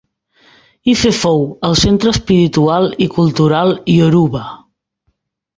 Ife fou el centre espiritual i cultural ioruba.